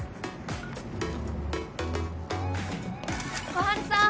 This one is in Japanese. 小春さん。